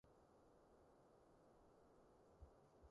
旁觀者切勿依牙鬆槓